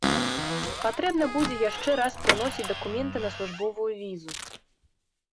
Патрэбна будзе яшчэ раз прыносіць дакументы на службовую візу.